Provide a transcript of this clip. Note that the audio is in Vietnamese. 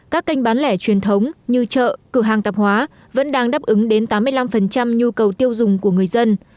các kênh bán lẻ truyền thống như chợ cửa hàng tạp hóa vẫn đang đáp ứng đến tám mươi năm nhu cầu tiêu dùng của người dân